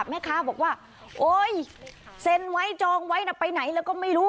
แม่ค้าบอกว่าโอ๊ยเซ็นไว้จองไว้นะไปไหนแล้วก็ไม่รู้